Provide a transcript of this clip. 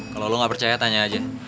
kalau lo gak percaya tanya aja